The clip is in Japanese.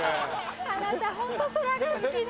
あなたホント空が好きね。